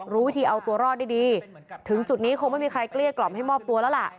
รู้วิธีเอาตัวรอดได้ดีถึงจุดนี้คงไม่มีใครเกลี้ยกล่อมให้มอบตัวแล้วล่ะ